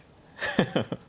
ハハハハ。